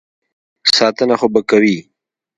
ساتنه خو به کوي.